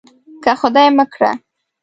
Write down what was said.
که خدای مه کړه.